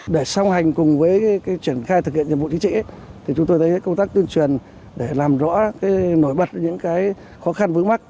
để xong hành cùng với cái chuyển khai thực hiện nhiệm vụ chính trị thì chúng tôi thấy cái công tác tuyên truyền để làm rõ cái nổi bật những cái khó khăn vứt mắt